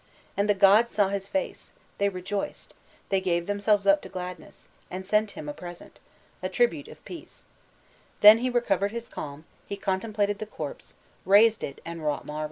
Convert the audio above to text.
And the gods saw his face, they rejoiced, they gave themselves up to gladness, and sent him a present, a tribute of peace; then he recovered his calm, he contemplated the corpse, raised it and wrought marvels.